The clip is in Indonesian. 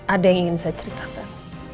ada yang ingin saya ceritakan